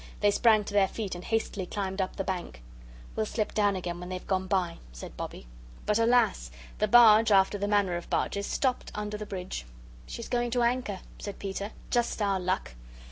They sprang to their feet and hastily climbed up the bank. "We'll slip down again when they've gone by," said Bobbie. But, alas, the barge, after the manner of barges, stopped under the bridge. "She's going to anchor," said Peter; "just our luck!"